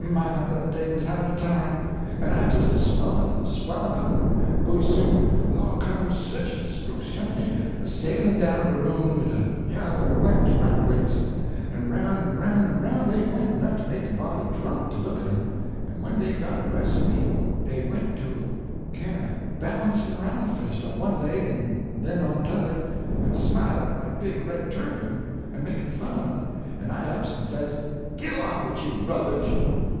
MY! but dey was havin' a time! an I jist a swellin' an' a swellin' up! Pooty soon,'long comes sich a spruce young nigger a sailin' down de room wid a yaller wench roun' de wais'; an' roun an' roun' an roun' dey went, enough to make a body drunk to look at 'em; an' when dey got abreas' o' me, dey went to kin' o' balancin' aroun' fust on one leg an' den on t'other, an' smilin' at my big red turban, an' makin' fun, an' I ups an' says 'GIT along wid you! rubbage!'